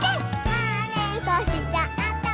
「まねっこしちゃった」